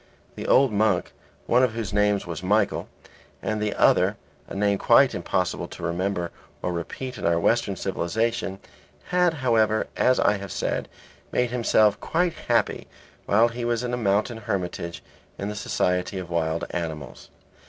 The old monk, one of whose names was Michael, and the other a name quite impossible to remember or repeat in our Western civilization, had, however, as I have said, made himself quite happy while he was in a mountain hermitage in the society of wild animals.